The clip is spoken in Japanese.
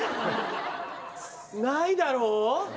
ないだろう？